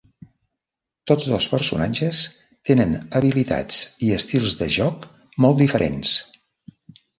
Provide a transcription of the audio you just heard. Tots dos personatges tenen habilitats i estils de joc molt diferents.